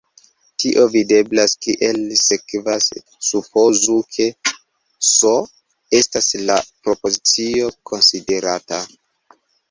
Tio videblas kiel sekvas: supozu ke "S" estas la propozicio konsiderata.